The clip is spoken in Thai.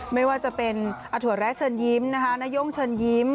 ไม่ว่าจะเป็นอาถวนแรกเชิญยิ้มนะคะนายกช่วนยิ้ม